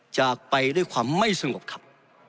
จากไปด้วยความไม่สงบครับ